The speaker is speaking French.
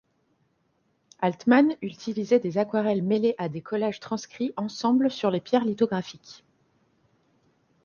Altman utilisait des aquarelles mêlées à des collages transcrits ensemble sur les pierres lithographiques.